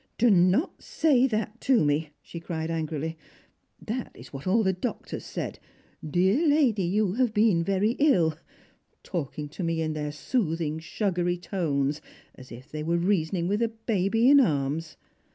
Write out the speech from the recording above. " Do not sa>^ that to me," she cried angrily ;" that is what all the doctors saidi 'Dear lady, you have been very ill;' talking tc me in thei' soothing sugary tones, as if they were reasoning with a baby ir arms.